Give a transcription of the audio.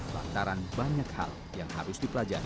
lantaran banyak hal yang harus dipelajari